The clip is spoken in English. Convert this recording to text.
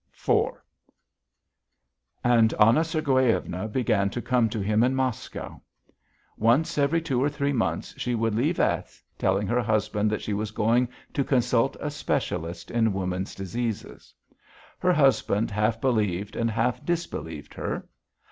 IV And Anna Sergueyevna began to come to him in Moscow. Once every two or three months she would leave S., telling her husband that she was going to consult a specialist in women's diseases. Her husband half believed and half disbelieved her.